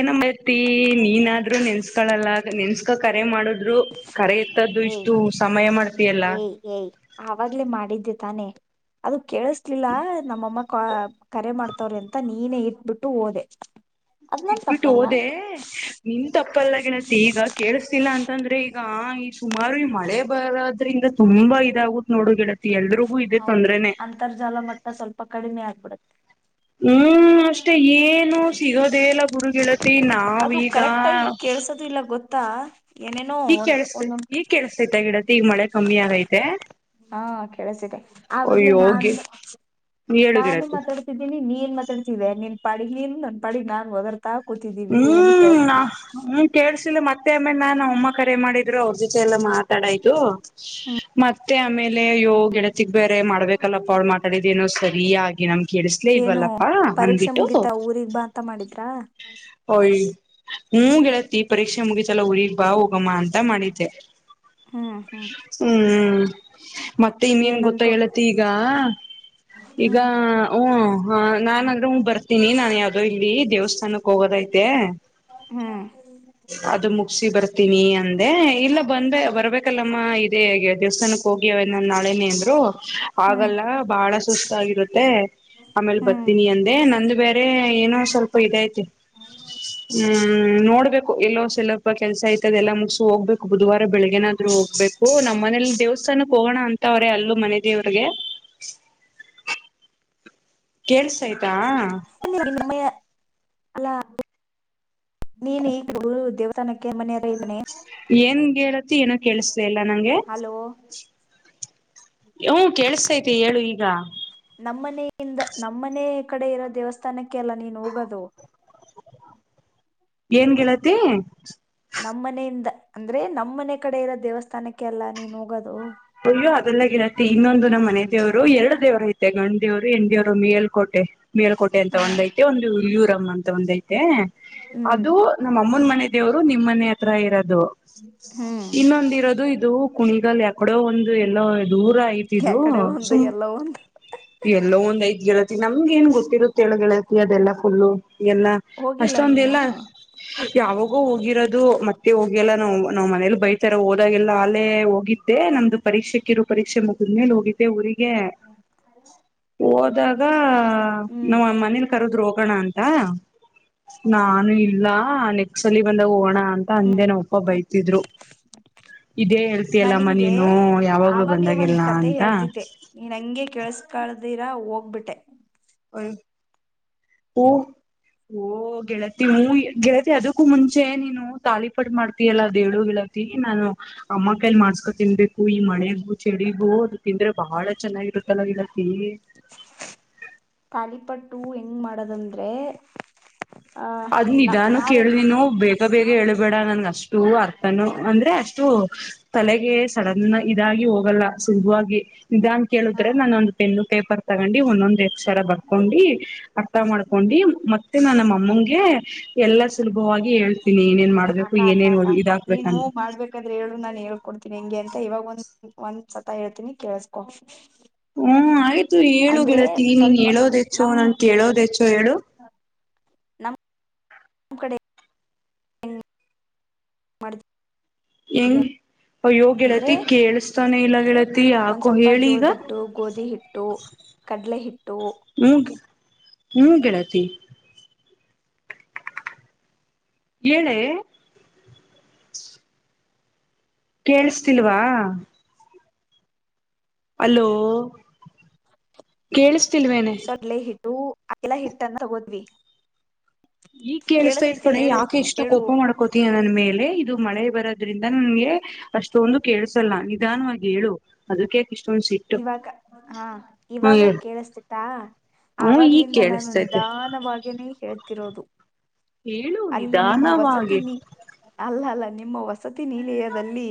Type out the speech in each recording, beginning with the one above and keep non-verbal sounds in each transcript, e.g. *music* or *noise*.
ಏನತಿ ನೀನಾದ್ರೂ ನೆನ್ಸ್ಕಳಲ್ಲ ನೆನ್ಸ್ಕ ಕರೆ ಮಾಡುದ್ರು ಕರೆ ಎತ್ತದ್ದು ಏಯ್ ಇಷ್ಟು ಸಮಯ ಮಾಡ್ತಿಯಲ್ಲ ಏಯ್ ಏಯ್ ಆವಾಗ್ಲೇ ಮಾಡಿದ್ದೆ ತಾನೆ ಅದು ಕೇಳಿಸಲಿಲ್ಲ ನಮ್ಮಮ್ಮ ಕರೆ ಮಾಡ್ತ ತವ್ರ ಅಂತ ನೀನೇ ಇಟ್ಬಿಟ್ಟು ಓದೆ ಅದ್ ನನ್ ಇಟ್ಬಿಟ್ಟು ತಪ್ಪಲ್ಲ ಹೋದೆ ನಿನ್ ತಪ್ಪಲ್ಲ ಗಣತ್ತ ಈಗ ಕೇಳಿಸಸ್ತಿಲ್ಲ ಅಂತಂದ್ರೆ ಈಗ ಈ ಸುಮಾರು ಈ ಮಳೆ ಬರೋದ್ರಿಂದ ತುಂಬಾ ಇದಾಗತ್ ನೋಡುಿಡ ಹೌದು ಅಂತರ್ಜಾಲ ಮಟ್ಟ ಸ್ವಲ್ಪ ಕಡಿಮೆ ಆಗ್ ಕೊಡುತ್ತೆ ಹ್ಮ್ ಅಷ್ಟೆ ಏನು ಸಿಗೋದೆಲ್ಲ ಗುರುಗಿಳತಿ ನಾವೀಗ ತ್ತಾ *unintelligible* ಈಗ ಕೆಲಸ್ತ ಈಗ ಕೆಳಸ್ತೈತ ಗಿಡತಿ ಈಗ ಮಳೆ ಕಮ್ಮಿ ಆಗೈತೆ ಹಾ ಕೇಳಸಿದೆ ಆವಾಗ್ಲೇ ಅಯ್ಯೋ ನಾನು ಗೆ ಹೇಳು ನಾನು ಗೆಳತಿ ಮಾತಾಡ್ತಿದ್ದೀನಿ ನೀನ್ ಮಾತಾಡ್ತಿದ್ದೆ ನೀನ್ ಪಾಡಿಗೆ ಪಡ ನಾನ್ ದರ್ *unintelligible* ಹ್ಮ್ ಹ್ಮ್ ಕೇಳ್ಸಿಲ್ಲ ಮತ್ತೆ ಆಮೇಲೆ ನಾನ್ ಅಮ್ಮ ಕರೆ ಮಾಡಿದ್ರು ಅವ್ರ ಜೊತೆ ಎಲ್ಲಾ ಮಾತಾಡಾಯ್ತು ಮತ್ತೆ ಆಮೇಲೆ ಅಯೋ ಗೆಳತಿಗ್ ಬೇರೆ ಮಾಡ್ಬೇಕಲ್ಲಪ್ಪ ಅವ್ಳ್ ಮಾತಾಡಿದ ನೋ ಸರಿಯ ಆಗಿ ನಮ್ ಏನು ಕೆಲಸ್ಲೇಲ್ವಪ್ಪ ಪರೀಕ್ಷೆ ಅಂದಬಿಟ್ಟು ಮುಗಿತಾ ಊರಿಗ್ ಬಾ ಅಂತ ಮಾಡಿದ್ರಾ ಯ ಹ್ಮ ಗೆಳತ್ತತಿ ಪರೀಕ್ಷೆ ಮುಗೀಿತಲ್ಲ ಉಊರಿಗ್ ಬಾ ಹೋಗಮ್ಮ ಅಂತ ಮಾಡಿದ್ದೆ ಹ್ಮ್ ಹ್ಮ್ ಹ್ಮ್್ಮ ಹ *unintelligible* ಮತ್ತೆ ಇನ್ನೇನ್ ಗೊತ್ತ ಏನಂದ್ರು ಹೇಳತಿ ಈಗ ಈಗ ಹ್ಮ್ ಹ ನಾನ್ದ್ರೂ ಬರ್ತೀನಿ ನಾನ ಯಾವ್ದೋ ಇಲ್ಲಿ ದೇವಸ್ಥಾನಕ್ ಹೋಗೋದೈತೆ ಅದು ಮುಗಿಸಿಿ ಬರ್ತ ತನಿ ಅಂದೆ ಇಲ್ಲ ಬಂದ ಬರ್ಬೇಕ ಯಾಕಲ್ಲಮ್ಮ ಇದೇ ದೇವಸ್ಥಾನಕ್ಕೆ ಹೋಗಿ ಅವವನ ನಾಳೆನೇ ಅಂದ್ರು ಹ್ಮ್ ಆಗಲ್ಲ ಬಾಳ ಸುಸ್ತಾಗಿರುತ್ತೆ ಆಮೇಲೆ ಹ್ಮ್ ಬರ್ತೀನಿ ಅಂದೆ ನಂದು ಬೇರೆ ಏನೋ ಸ್ವಲ್ಪ ಇದ್ತಿ ಹೌ ಹ್ಮ್ ನೋಡ್ಬೇಕು ಎಲ್ಲೋ ಸ್ವಲ್ಪ ಕೆಲಸ ಆಯ್ತದೆ ಎಲ್ಲ ಮುಗಸ ಹೋಗ್ಬೇಕು ಬುಧವಾರ ಬೆಳಗ್ನ ಹೋಗ್ಬೇಕು ನಮ್ಮ್ ಮನೇಲಿ ದೇವಸ್ಥಾನಕ್ಕೆ ಹೋಗೋಣ ಅಂತ ಅವ್ರೆ ಅಲ್ಲೂ ಮನೆ ದೇವ್ರಿಗೆ ಕಳ್ಸ ಮ್ಮ ಅಲ ನೀನು ಈ ಗರು ಉದ್ಯೋಗ ಮ ಏನ್ ಹೇಳತಿ ಏನ ಕೇಳಿಸ್ದ ಇಲ್ಲ ನಂಗೆ ಹಲೋ ಕೇಳಸ್ೈತಿ ಮ ಹೇಳು ಈಗ ನಮ್ಮನಿಂದ ನಮ್ಮನೆ ಕಡೆ ಇರೋ ದೇವಸ್ಥಾನಕ್ಕೆ ಅಲ್ಲ ನೀನು ಹೋಗೋದು ಏನ್ ಗೆಳತಿ ನಮ್ಮ ಮನೆಯಿಂದ ಅಂದ್ರೆ ನಮ್ಮ ಮನೆ ಕಡೆ ಇರೋ ದೇವಸ್ಥಾನಕ್ಕೆ ಅಲ್ಲಾ ನೀನು ಹೋಗೋದು ಅಯ್ಯೋ ಅದೆಲ್ಲಾಗಿ ಇರತ್ತತಿ ಇನ್ನೊಂದು ನಮ್ಮ್ ಮನೆ ದೇವ್ರು ಎರಡು ದೇವರು ಐತೆ ಗಂಡ ದೇವ್ರು ಎಂಡೇವರು ಮೇಲ್ಕೋಟೆ ಮೇಲ್ಕೋಟೆ ಅಂತ ಹಾ ಒಂದಐತೆ ಒಂದು ಯಯೂರಮ್ ಅ ಬಂದ ಹ್ಮ್ ಅದು ನಮ್ಮ ಅಮ್ಮನ ಮನೆ ದೇವರು ನಿಮ್ಮ್ ಮನೆ ಹತ್ರ ಇರೋದು ಹ್ಮ್ ಇನ್ನೊಂದ ಇರೋದು ಇದು ಕುಣಿಗಲ್ ಯಾಕ ಒಂದು ಎಲ್ಲೋ ದೂರ ಆಯ್ತಿದ್ದು ಯಕಡೆ ಒಂದು ಸು ಎಲ್ಲ ಒಂದು ಎಲ್ಲೋ ಒಂದ ಐದ್ ಗಿರತಿ ನಮ್ಗೆ ಏನ್ ಗೊತ್ತಿರುತ್ತೆೇಳಗೆಳತಿ ಅದೆಲ್ಲ ಫುಲ್ಲು ಎಲ್ಲ ಹೋಗಿಲ್ಲ ಅಷ್ಟೊಂದ ನೀನು ಎಲ್ಲ ಯಾವಾಗೂ ಹೋಗಿರೋದು ಮತ್ತೆ ಹೋಗಿಲ್ಲ ನಾವು ನಾವ್ ಮನೇಲಿ ಬೈತಾರ ಹೋದಾಗೆಲ್ಲಾ ಅಲ್ಲೇ ಹೋಗಿದ್ದೆ ನಮ್ದು ಪರೀಕ್ಷೆ ಇಿರು ಪರೀಕ್ಷೆ ಮುಗಿದ ಮೇಲೆ ಹೋಗಿದ್ದೆ ಊರಿಗೆ ಗ ಹೋದಾಗ ಹ್ಮ್ ನಾ ಮನೇಲಿ ಕರದ್ ಹೋಗೋಣ ಅಂತ ಹಾ ನಾನು ಇಲ್ಲ ಸಲಿ ಬಂದ ಹೋಗೋಣ ಅಂತ ಹ್ಮ್ ಅಂದೇನ ಒಪ್ಪ ಬೈತಿದ್ರು ಇದೇ ನಾ ಹೇಳ್ತಿಯಲ್ಲಮ್ಮ ನಿಂಗೆ ನೀನು ಯಾವಾಗ್ಲುೂ ಆವಾಗ್ಲೇ ಬಂದಾಗಲ್ಲ ಅಂತ ಕೆೇಸ್ಕಳ್ದಿರಾ ಹೋಗ ಹೋಗ್ಬಿಟ್ಟೆ ಓ ಓ ಗೆಳತಿ ಹ ಗೆಳತಿ ಅದಕ್ಕೂ ಮುಂಚೆ ನೀನು ತಾಳಿಪಟ್ ಮಾಡ್ತಿಯಲ್ಲ ದಳು ಗೆಳತಿ ನಾನು ಅಮ್ಮ ಕೈಲ್ ಮಾಡಸ್ಕೊ ತಿನ್ಬೇಕು ಈ ಮಳೆಗೂ ಚಳಿಗೂ ಅದು ತಿಂದ್ರೆ ಬಹಳ ಚೆನ್ನಾಗಿರುತ್ತಲ್ಲ ಗೆಳತಿ ತಾಲಿಪಟ್ಟು ಹೆಂಗ್ ಮಾಡದಂದ್ರೆ ಆ ಅದ್ ನ ನಿಧಾನು ಹೇಳು ನಾವೇನ್ ಮಾಡ ನೀನು ಬೇಕು ಬೇಗ ಹೇಳಳ್ಬೇಡ ನನ್ಗೆ ಅ ಅಷ್ಟು ಅರ್ಥನು ಅಂದ್ರೆ ಅಷ್ಟು ತಲೆಗೆ ಸಡನ್ ಇದಾಗಿ ಹೋಗಲ್ಲ ಸುಲಭವಾಗಿ ಇದ ಅನ್ ಹಾ ಕೇಳಿದ್ರೆ ನಾನೊಂದು ಪೆನ್ನು ಪೇಪರ್ ತಗೊಂಡಿ ಒಂದೊಂದೆ ಅಕ್ಷರ ಬರ್ಕೊಂಡಿ ಅರ್ಥ ಮಾಡ್ಕೊಂಡು ಮತ್ತೆ ನನ್ನ ಅಮ್ಮ ಹ *unintelligible* ಎಲ್ಲಾ ಸುಲಭವಾಗಿ ಹೇಳ್ತೀನಿ ಏನೇನ್ ಮಾಡ್ಬೇಕು ಅಕ್ಕ ಅಕ್ಕ ಏನೇನ್ ಓ ಅಕ್ಕ ಇದ ಹಾಕ್ಬೇಕಂತ ಕೊಡ್ತೀನಿ ಹೆಂಗೆ ಅಂತ ಇವಾಗ ಒಂದ್ ಒಂದ್ ಸತ ಹೇಳ್ತೀನಿ ಕೇಸ್ಕೋ ಹ್ಮ ಆಯ್ತು ಹೇಳು ಗೆಳತಿ ನೀನ್ ಸ್ವಲ್ಪ ಹೇಳೋದ ಹೆಚ್ಚೋ ನಮ್ ನನ್ ಕೇಳೋದ ಹೆಚ್ಚೋ ಹೇಳು ನಮ್ಮ್ ಕಡೆ ಹೆ ಮಾಡ *unintelligible* ಹೆಂಗ ಅಯ್ಯೋ ಗೆಳತಿ ಅಂದ್ರೆ ಕೇಳಸ್ತಾನೆ ಇಲ್ಲ ಗೆಳತಿ ಒಂದ್ ಯಾಕೋ ಸ್ವಲ್ಪ ಹೇಳಿ ಈಗ ಜೋಳದ ಹಿಟ್ಟು ಗೋಧಿ ಹಿಟ್ಟು ಕಡ್ಲೆ ಹಿಟ್ಟು ಹ್ಮ ಹ್ಮ್ ಗೆಳತಿ ಹೇಳೆ ಕೇೇಳಸ್ತಿಲ್ವಾ ಹಲೋ ಕೇಳಿಸ್ತಿಲ್ವೇನೆೇ ಆಐಲ್ಲ *unintelligible* ಹಿಟ್ನ್ನ ತಗೋದ್ವಿ ಈ ಕೇಳಿಸ್ತ ಐತ್ ಕೇಳತೈತೆ ಕಣೆ ಹೇಳು ಯಾಕೆ ಎಷ್ಟು ಹೇಳು ಕೋಪ ಮಾಡ್ಕೋತ ನನ್ ಮೇಲೆ ಇದು ಮಳೆ ಬರತ್ತ ಇದ್ರಿಂದ ನನ್ಗೆ ಅಷ್ಟೊಂದು ಕೇಳ್ಸಲ್ಲ ನಿಧಾನವಾಗಿ ಹೇಳು ಅದಕ್ಕೆ ಇಷ್ಟೊಂದ್ ಸಿಟ್ಟು ಇವಾಗ ಹಾ ಹ್ಮ ಇವಾಗ ಹೇಳು ಕೇಳಿಸತಿತ್ತಾ ಹ್ಮ ಈಗ್ ಆಾಗ್ಲಿಂದ ನಾನು ಕೇಳಿಸ್ತೈತೆ ನಿಧಾನವಾಗನೇ ಹೇಳ್ತಿರೋದು ಹೇಳು ಅಲ್ಲಿ ನಿಮ್ಮ ನಿಧಾನವಾಗಿ ವಸತಿನಿ ಅಲ್ಲ ಅಲ್ಲ ನಿಮ್ಮ ವಸತಿ ನಿಲಯದಲ್ಲಿ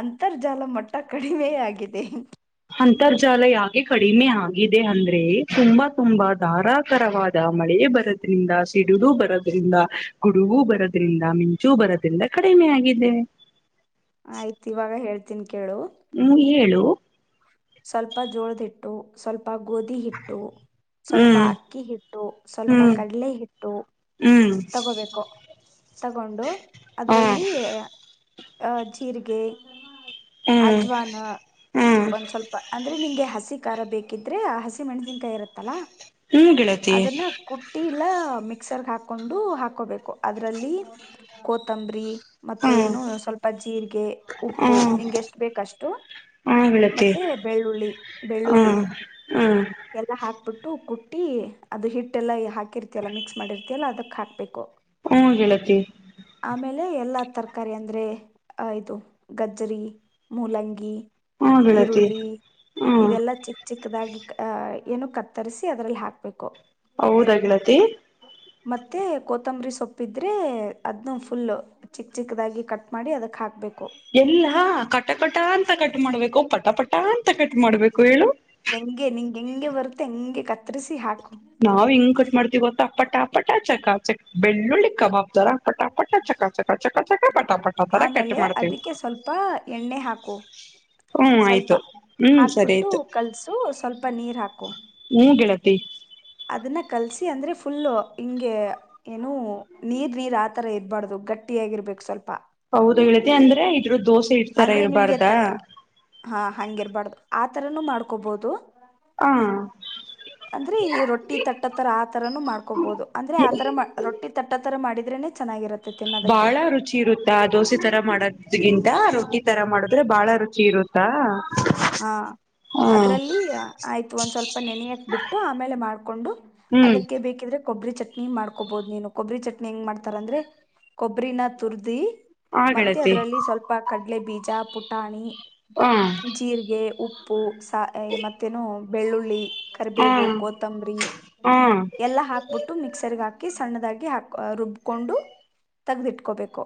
ಅಂತರ್ಜಾಲ ಮಟ್ಟ ಕಡಿಮೆ ಆಗಿದೆ ಅಂತರ್ಜಾಲ ಯಾಕೆ ಕಡಿಮೆ ಆಗಿದೆ ಅಂದ್ರೆ ತುಂಬಾ ತುಂಬಾ ಧಾರಾಕಾರವಾದ ಮಳೆ ಬರೋದ್ರಿಂದ ಸಿಡಡು ಬರೋದ್ರಿಂದ ಗುಡುಗು ಬರೋದ್ರಿಂದ ಮಿಂಚೂ ಬರೋದ್ರಿಂದ ಕಡಿಮೆ ಆಗಿದೆ ಆಯ್ತು ಇವಾಗ ಹೇಳ್ತ ಹ್ಮ್ ಹೇಳು ಸ್ವಲ್ಪ ಜೋಳದಿಟ್ಟು ಸ್ವಲ್ಪ ಸ್ವಲ್ಪ ಗೋಧಿ ಹಿಟ್ಟು ಸ್ವಲ್ಪ ಹ್ಮ್ ಅಕ್ಕಿ ಹಿಟ್ಟು ಸ್ವಲ್ಪ ಹ್ಮ್ ಕಡಲೆ ಹಿಟ್ಟು ಹ್ಮ್ ತಗೋಬೇಕು ತಗೊಂಡು ಹ ಅದ್ರಲ್ಲಿ ಆ ಜೀರಿಗೆ ಹ್ಮ್ ಅಜ್ವಾನ ಹ್ಮ್ ಒಂದ್ ಸ್ವಲ್ಪ ಅಂದ್ರೆ ನಿಂಗೆ ಹಸ ಹಸಿ ಖಾರ ಬೇಕಿದ್ರೆ ಆ ಹಸಿ ಮೆಣ್ಸಿನ್ಕಾಯಿ ಇರತ್ತಲ್ಲಾ ಹ್ಮ ಗಿಳತಿ ಇಲ್ಲ ಮಿಕ್ಸರ್ಗೆ ಹಾಕ ಹಾಕೊಂಡು ಹಾಕೋಬೇಕು ಅದ್ರಲ್ಲಿ ಕೋತಂಬ್ರಿ ಮತ್ತೆ ಹಾ ಏನು ಸ್ವಲ್ಪ ಜೀರಿಗೆ ಹ ಉಪ್ಪು ನಿಂಗೆ ಎಷ್ಟ ಬೇಕಷ್ಟು ಹ ಗೆಳತಿ ಮತ್ತೆ ಬೆಳ್ಳುಳ್ಳಿ ಹ ಬೆಳ್ಳುಳ್ಳಿ ಹ್ಮ್ ಎಲ್ಲಾ ಹಾಕ್ಬಿಟ್ಟು ಟ್ಟ ಕುಟ್ಟಿ ಅದು ಹಿಟ್ಟೆಲ್ಲ ಹಾಕಿರ್ತಲ್ಲ ಮಿಕ್ಸ್ ಮಾಡಿರ್ ಲ್ಲ ಅದುಾ ಬು ಹ್ಮ ಗೆಳತಿ ಆಮೇಲೆ ಎಲ್ಲ ತರಕಾರಿ ಅಂದ್ರೆ ಇದು ಗಜ್ಜರಿ ಮೂಲಂಗಿ ಹ್ಮ ಗೆಳತಿ ಈರುಳ್ಳಿ ಹ್ಮ್ ಇದೆಲ್ಲಾ ಚಿಕ್ಕ ಚಿಕ್ಕದಾಗಿಹ ಏನು ಕತ್ತರಿಸಿ ಅದ್ರಲ್ಲಿ ಹಾಕ್ಬೇಕು ಹೌದ ಗಣತಿ ಮತ್ತುತ್ತ ಕೊತ್ತಂಬರಿ ಸೊಪ್ಪಿದ್ರೆ ಅದನ್ನು ಫುಲ್ಲ ಚಿಕ್ಕ ಚಿಕ್ಕದಾಗಿ ಕಟ್ ಮಾಡಿ ಅದಕ್ಕೆ ಹಾಕ್ಬೇಕು ಎಲ್ಲ ಕಟಕಟ ಅಂತ ಕಟ್ ಮಾಡ್ಬೇಕು ಪಟ ಪಟ ಅಂತ ಕಟ್ ಮಾಡ್ಬೇಕು ಹೇಳು ಹೆಂಗೆ ನಿಂಗೆ ಹೆಂಗೆ ಬರುತ್ತೆ ಹೆಂಗೆ ಕತ್ತರಿಸಿ ಹಾಕ್ ನಾವ್ ಹಿಂಗ್ ಕಟ್ ಮಾಡ್ತಿೀವಿ ಗೊತ್ತಾ ಪಟಾಪಟಾ ಚಕ ಚಕ ಬೆಳ್ಳುಳ್ಳಿ ಕಬಾಬ್ ರ ಪಟ ಪಟ ಚಕ ಚಕ ಚಕ ಚಕ ಪಟ ಪಟ ತರ ಕೆಟ್ಟ ಆಮೇಲೆ ಮಾಡ್ತೇವಿ ಅದಕ್ಕೆ ಸ್ವಲ್ಪ ಎಣ್ಣೆ ಹಾಕು ಹ್ಮ ಸ್ವಲ್ಪ ಆಯ್ತು ಹ್ಮ್ ಸರಿ ಹಾಕ್ಬಿಟ್ಟು ಆಯ್ತು ಕಲ್ಸು ಸ್ವಲ್ಪ ನೀರ್ ಹಾಕು ಮೂಗಿಳ *inaudible* ಅದನ್ನ ಕಲ್ಸಿ ಅಂದ್ರೆ ಫುಲ್ಲು ಹಿಂಗೆ ಏನು ನೀರ್ ನೀರ್ ಆತರ ಇರಬಾರ್ದು ಗಟ್ಟಿಯಾಗಿರ್ಬೇಕು ಸ್ವಲ್ಪ ಹೌದು ಹೇಳತಿ ಅಂದ್ರೆ ಇದ್ರ ದೋಸೆ ಹಿಟ್ ತರ ಅಂದ್ರೆ ನಿಂಗೆ ಎ ಇರ್ಬಾರ್ದಾ ತಟ್ಟಕ್ಕೆ ಹಾ ಹಂಗಿರ್ಬಾರ್ದು ಆಥರನೂ ಮಾಡ್ಕೊಬಹದು ಆ ಅಂದ್ರೆ ಈ ರೊಟ್ಟಿ ತಟ್ಟ ತರ ಆತರನು ಮಾಡ್ಕೋಬೋುದು ಅಂದ್ರೆ ಆತರ ರೊಟ್ಟಿ ತಟ್ಟ ತರ ಮಾಡಿದ್ರೇನೆ ಚೆನ್ನಾಗಿರತ್ತೆ ತಿನ್ನೋದಕ್ಕೆ ಬಾಳ ರುಚಿ ಇರುತ್ತಾ ದೋಸೆ ತರ ಮಾಡೋದ್ಗಿಂತರುಿ ಈ ತರ ಮಾಡಿದ್ರೆ ಬಾಳ ರುಚಿ ಇರುತ್ತಾ ಹಾ ಹಾ ಅದ್ರಲ್ಲಿ ಆಯ್ತು ಒಂದ್ ಸ್ವಲ್ಪ ನೆನೆಯಕ್ ಬಿಟ್ಟು ಆಮೇಲೆ ಮಾಡ್ಕೊಂಡು ಹ್ಮ್ ಅದಕ್ಕೆ ಬೇಕಿದ್ರೆ ಕೊಬ್ಬರಿ ಚಟ್ನಿ ಮಾಡ್ಕೋಬಹದು ನೀನು ಕೊಬ್ಬರಿ ಚಟ್ನಿ ಹೆಂಗ್ ಮಾಡ್ತಾರ ಅಂದ್ರೆ ಕೊಬ್ಬರಿನ ತುರ್ದಿ ಆ ಮತ್ತೆ ಗೆಳತಿ ಅದ್ರಲ್ಲಿ ಸ್ವಲ್ಪ ಕಡ್ಲೆ ಬೀಜ ಪುಟ್ಟಾಣಿ ಹಾ ಜೀರಿಗೆ ಉಪ್ಪ ಉಪ್ಪು ಸ ಮತ್ತೇನು ಬೆಳ್ಳುಳ್ಳಿ ಹಾ ಕರಿಬೇವು ಕೊತ್ತಂಬರಿ ಹಾ ಹ್ಮ ಎಲ್ಲಾ ಹಾಕ್ಬಿಟ್ಟು ಮಿಕ್ಸರ್ ಹಾಕ್ ಹಾಕಿ ಸಣ್ಣದಾಗಿ ಹಾಕ ರುಬ್ಕೊಂಡು ತಗ್ದಿಟ್ಕೋಬೇಕು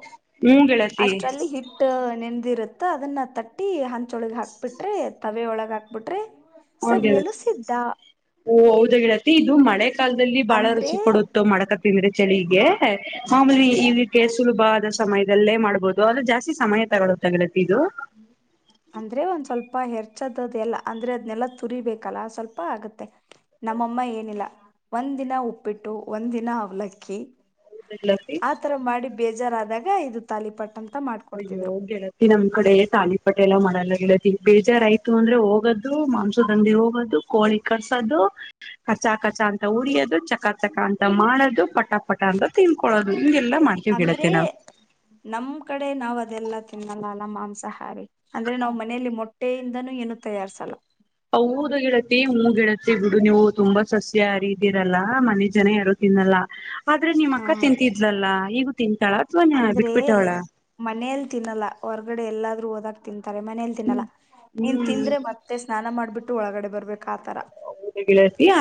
ಗೆಳತಿ ಅಷ್ಟ್ರಲ್ಲಿ ಹಿಟ್ಟ ನೆನ್ ಇರುತ್ತ ಅದನ್ನ ತ ಈ ಹಂಚೊಳಗ ಹಾಕ್ಬಿಟ್ರೆ ತವೆ ಒಳಗ ಹಾಕ್ಬಿಟ್ರಿ ಹ ಓ ಹೌದಳತಿ ಇದು ಮಳೆ ಕಾಲದಲ್ಲಿ ಬಾಳ ಅಂದ್ರೆ ರುಚಿ ಕೊಡುತ್ತು ಮಾಡಕ ತಿಂದ್ರೆ ಚಳಿಗೆ ಮಾಮೂಲಿ ಇದಕ್ಕೆ ಸುಲಭ ಆದ ಸಮಯದಲ್ಲೇ ಮಾಡ್ಬಹುದು ಅದು ಜಾಸ್ತಿ ಸಮಯ ತಗೊಳ ತಗಲತ್ತ ಇದು ಅಂದ್ರೆ ಒಂದ್ ಸ್ವಲ್ಪ ಹೆರ್ಚ್ಚದದ ಎಲ್ಲ ಅಂದ್ರೆ ಅದ್ನೆೆಲ್ಲ ತುರಿಬೇಕಲ್ಲ ಸ್ವಲ್ಪ ಆಗತ್ತೆ ನಮ್ಮಮ್ಮ ಏನಿಲ್ಲ ಒಂದ್ ದಿನ ಉಪ್ಪಿಟ್ಟು ಒಂದ್ ದಿನ ಅವ್ಲಕ್ಕಿ ಗೆಳತಿ ಆತರ ಮಾಡಿ ಬೇಜಾರಾದಾಗ ಈ ಇದು ತಾಲಿಪಟ್ಟಂ ಅಯ್ಯೋ ಗೆಳತಿ ನಮ್ ಕಡೆ ತಾಲಿ ಪೆಲ್ಲ ಮಾಡಲ್ಲ ಹೇಳದ ಬೇಜಾರಾಯತು ಅಂದ್ರೆ ಹೋಗದದು ಮಾಂಸದಂದಿ ಹೋಗೋದ್ದದು ಕೋಳಿ ಕರ್ಸೋದು ಕಖರ್ಚಾ ಖರ್ಚಾ ಅಂತ ಉಡಿಯೋದು ಚಕ ಚಕ ಅಂತ ಮಾಡೋದು ಪಟ್ಟ ಕಾಪಟ ಅಂತ ತ ತಿನ್ಕೊಳ್ಳೋದು ಹಿಂಗೆಲ್ಲಾ ಮಾಡ್ತೀವಿ ಅಂದ್ರೆ ಗೆಳತಿ ನಾವು ನಮ್ ಕಡೆ ನಾವ್ ಅದೆಲ್ಲ ತಿನ್ನಲ್ಲ ಅಲ್ಲ ಮಾಂಸಾಹಾರಿ ಅಂದ್ರೆ ನಾ್ ಮನೆಯಲ್ಲಿ ಮೊಟ್ಟೆಯಿಂದನೂ ಏನು ತಯಾರ್ಸಲ್ಲ ಹೌದ ಗೆಳತಿ ಮೂಗಿಡತ್ತತಿ ಬಿಡು ನೀವು ತುಂಬಾ ಸಸ್ಯ ಹರಿದಿರಲ್ಲ ಮನೆ ಜನ ಯಾರು ತಿನ್ನಲ್ಲ ಆದ್ರೆ ನಿಮ್ಮ ಹ ಅಕ್ಕ ತಿಂತಿದ್ಲಲ್ಲಾ ಈಗ ಅಂದ್ರೆ ಮನೇಲ್ ತಿನ್ನಲ್ಲ ಹೊರ್ಗಡೆ ಎಲ್ಲಾದೂ ಹ ಓದಾಗ್ತಿ ಮನೇಲಿ ತಿನ್ನಲ್ಲ ನೀನ್ ಹ್ಮ್ ತಿಂದ್ರೆ ಮತ್ತೆ ಸ್ನಾನ ಮಾಡ್ಬಿಟ್ಟು ಒಳಗಡೆ ಬರ್ಬೇಕು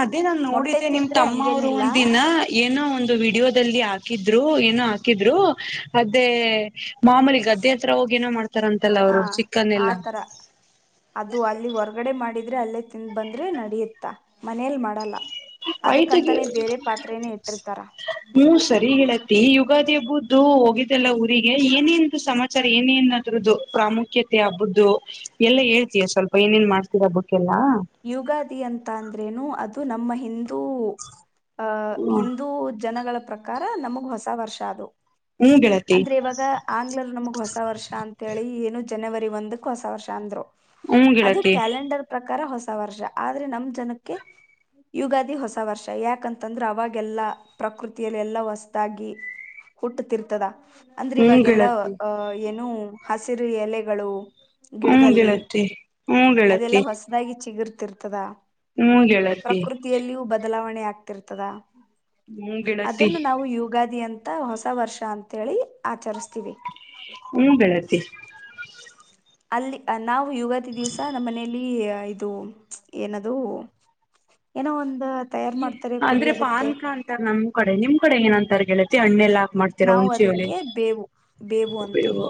ಅದೇ ನಾನ್ ಮೊಟ್ಟೆ ನೋಡಿದ್ದೆ ನಿಮ್ ತಿಂದ್ರೆ ತಮ್ಮ ಅವರು ಹಂಗೇನಿಲ್ಲ ಒಂದಿನ ಏನೋ ಒಂದು ವಿಡಿಯೋದಲ್ಲಿ ಆ ಹಾಕಿದ್ರು ಏನು ಹಾಕಿದ್ರು ಅದೇ ಮಾಮೂಲಿ ಗದ್ದೆ ಹತ್ರ ಹೋಗಿ ಏನೋ ಮಾಡ್ತಾರಂತಲ್ಲ ಹಾ ಅವರು ಚಿಕ್ಕನ್ ಎಲ್ಲ ಆತರ ಇದ್ರೆ ಅಲ್ಲೇ ತಿಿಂದ್ ಬಂದ್ರೆ ನಡಿಯುತ್ತ ಮನೇಲ್ ಮಾಡಲ್ಲ ಆಯ್ತ ಅದಕ್ಕಂತಾನೆ ಬೇರೆ ಪಾತ್ರೆನೇ ಇಟ್ಟಿರ್ತಾರ ಹ್ಮ ಸರಿ ಹೇಳ ಯುಗಾದಿ ಹಬ್ಬುದುದುು ಹೋಗಿದ್ದಲ್ಲ ಊರಿಗೆ ಏನೇನ ಸಮಾಚಾರ ಏನೇನ ಅದ್ರದ್ದದು ಪ್ರಾಮುಖ್ಯತೆ ಹಬ್ಬುದು ಎಲ್ಲಾ ಹೇಳ್ತಯ ಸ್ವಲ್ಪ ಏನೇನ್ ಮಾಡ್ತೀರಬಟ್ಟು ಯುಗಾದಿ ಅಂತ ಅಂದ್ರೇನು ಅದು ನಮ್ಮ ಹಿಂದ್ ಅ ಹಿಂದೂ ಜನಗಳ ಪ್ರಕಾರ ನಮಗ್ ಹೊಸ ವರ್ಷ ಅದು ಹ್ಮ್ ಗೆಳತಿ ಅಂದ್ರೆ ಇವಾಗ ಆಂಗ್ಲರ್ ನಮಗ್ ಹೊಸ ವರ್ಷ ಅಂತೇಳಿ ಏನು ಜನವರಿ ಒಂದಕ್ ಹೊಸ ವರ್ಷ ಅಂದ್ರು ಹ್ಮ್ ಅದು ಗೆಳತಿ ಕ್ಯಾಲೆಂಡರ್ ಪ್ರಕಾರ ಹೊಸ ಹೊಸ ವರ್ಷ ಆದ್ರೆ ನಮ್ ಜನಕ್ಕೆ ಯುಗಾದಿ ಹೊಸ ವರ್ಷ ಯಾಕಂತಂದ್ರೆ ಅವಾಗೆಲ್ಲಾ ಪ್ರಕೃತಿಯಲ್ಲಿ ಎಲ್ಲಾ ಹೊಸದಾಗಿ ಹುಟ್ಟತಿರ್ತದ ಅಂದ್ರೆ ಹ್ಮ್ ಇವಾಗೆಲ್ಲ ಗೆಳತಿ ಅ ಏನ್ ಹಸಿರು ಎಲೆಗಳು ಹ್ಮ ಗಿಡದಲ್ಲಿ ಗೆಳತಿ ಹ್ಮ ಗೆಳತ್ತ ಸಿಗರ್ತಿರ್ತದ ಹ್ಮ್ ಹೇಳತ್ತಿ ಬದಲಾವಣೆ ಆಗ್ತಿರ್ತದ ಅದನ್ನು ನಾವು ಯುಗಾದಿ ಅಂತ ಹೊಸ ವರ್ಷ ಅಂತೇಳಿ ಆಚರಿಸ್ತ ಹ್ಮ ಬೆಳತ್ತ ಅಲ್ಲಿ ನಾವು ಯುಗಾದಿ ದಿವ್ಸ ನಮ್ಮ ಮನೇೆಯಲ್ಲಿ ಇದು ಏನದು ಏನೋ ಒಂದು ಅಂದ್ರೆ ಪಾನ್ಕ ಅಂತಾರ ನಮ್ ಕಡೆ ನಿಮ್ ಕಡೆ ಏನಂತ ಅಣ್ಣೆಲ್ಲ ನಾವವು ಅದಕ್ಕೆ ಬೇವು ಬೇವು ಅಂತೀವಿ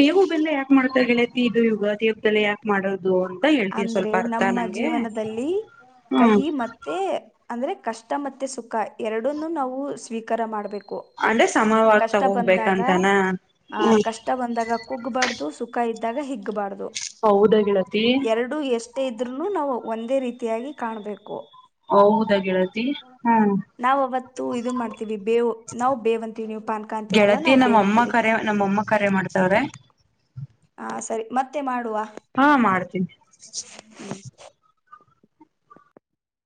ದೇವು ಬೆಲ್ಲ ಯಾಕಕ್ ಮಾಡುತ್ತತಾ ಳತಿ ಇದು ಈವಗ ದೇವಲ್ಲ ಯಾಕೆ ಮಾಡೋದು ಅಂತ ಹೇಳ್ತೀವಿ ಅಂದ್ರೆ ಸ್ವಲ್ಪ ಅರ್ಥ ನಮ್ಮ ನಂಗೆ ಜೀವನದಲ್ಲಿ ಹ್ಮ್ ಕಹಿ ಮತ್ತೆ ಅಂದ್ರೆ ಕಷ್ಟ ಮತ್ತೆ ಸುಖ ಎರಡನ್ನು ನಾವು ಸ್ವೀಕಾರ ಮಾಡ್ಬೇಕು ಅಂದ್ರೆ ಸಮವಾಗ್ ಕಷ್ಟ ಬಂದಾಗ ತಗೋಗ್ಬೇಕಂತಾನ ಆ ಹ್ಮ್ ಕಷ್ಟ ಬಂದಾಗ ಕುಗ್ಬಾರ್ದು ಸುಖ ಇದ್ದಾಗ ಹಿಗ್ ಹೌದ ಿಳತಿ ಎರಡು ಎಷ್ಟೇ ಇದ್ರು ನಾವು ಒಂದೇ ರೀತಿಯಾಗಿ ಕಾಣಬೇಕು ಹೌದಾ ಹಾ ಗೆಳತಿ ಹ್ಮ್ ನಾವ ಅವತ್ತು ಇದು ಮಾಡ್ತೀವಿ ಬೇವು ನಾವು ಬೇವಂ.. ಗೆಳತಿ ನಮ್ಮ ಅಮ್ಮ ಕರೆ ನಮ್ಮಮ್ಮ ಕರೆ ಮಾಡ್ತವ್ರೆ ಹ ಸರಿ ಮತ್ತೆ ಮಾಡುವ ಹಾ ಮಾಡ್ತೀನಿ